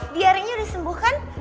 diarinya udah sembuh kan